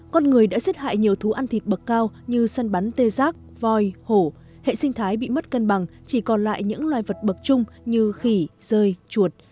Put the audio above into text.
con người đã giết hại nhiều thú ăn thịt bậc cao như săn bắn tê giác voi hổ hệ sinh thái bị mất cân bằng chỉ còn lại những loài vật bậc chung như khỉ rơi chuột